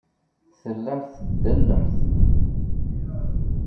Tellamt teddalemt.